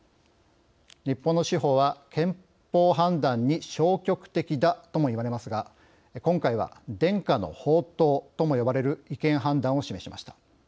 日本の司法は憲法判断に消極的だとも言われますが今回は、伝家の宝刀とも呼ばれる違憲判断を示しました。